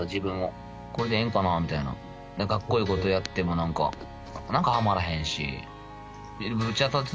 カッコいいことやっても何かはまらへんし。